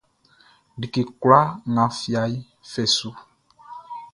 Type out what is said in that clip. Like kloi nʼga fia fai su.